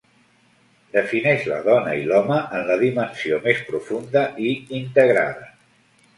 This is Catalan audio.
Defineix la dona i l'home en la dimensió més profunda i integrada.